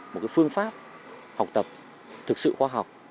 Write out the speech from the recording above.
một phương pháp học tập thực sự khoa học